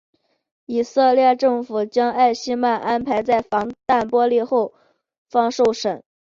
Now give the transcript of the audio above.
以色列政府将艾希曼安排在防弹玻璃后方受审。